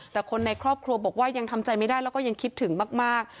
แต่คนในครอบครัวบอกว่ายังทำใจไม่ได้แล้วก็ยังคิดถึงมาก